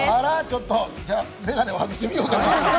ちょっと、じゃあ眼鏡を外してみようかな？